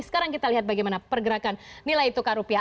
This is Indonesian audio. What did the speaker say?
sekarang kita lihat bagaimana pergerakan nilai tukar rupiah